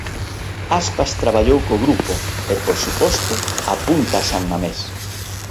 Aspas traballou co grupo e, por suposto, apunta a San Mamés.